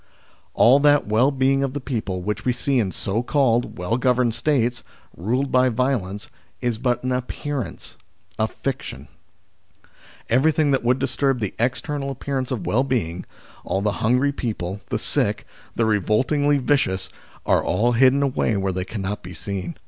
All that well being of the people which we see in so called well governed States, ruled by violence, is but an appearance a fiction. Everything that would disturb the external appearance of well being all the hungry people, the sick, the revoltingly vicious are all hidden away where they cannot be seen.